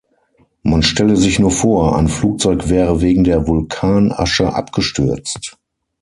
Man stelle sich nur vor, ein Flugzeug wäre wegen der Vulkanasche abgestürzt!